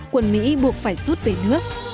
quân mỹ buộc phải rút về nước